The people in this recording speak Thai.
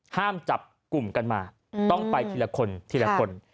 ห้ามจับกลุ่มกันมาต้องไปทีละคน